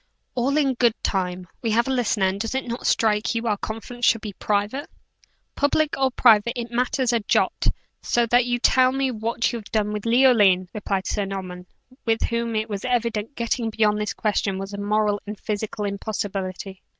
"All in good time. We have a listener, and does it not strike you our conference should be private!" "Public or private, it matters not a jot, so that you tell me what you've done with Leoline," replied Sir Norman, with whom it was evident getting beyond this question was a moral and physical impossibility.